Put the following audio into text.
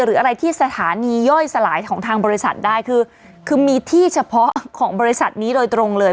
หรืออะไรที่สถานีย่อยสลายของทางบริษัทได้คือคือมีที่เฉพาะของบริษัทนี้โดยตรงเลย